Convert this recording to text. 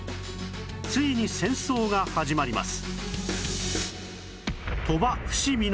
ついに戦争が始まります